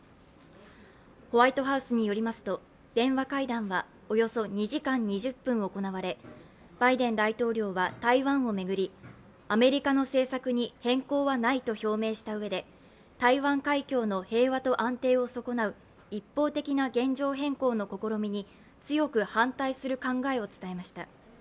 ホワイトハウスによりますと電話会談はおよそ２時間２０分行われバイデン大統領は台湾を巡り、アメリカの政策に変更はないと表明したうえで、台湾海峡の平和と安定を損なう一方的な現状変更の試みに強く反対する考えを伝えました。